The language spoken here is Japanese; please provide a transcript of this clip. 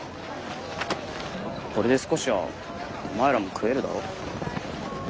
これで少しはお前らも食えるだろ。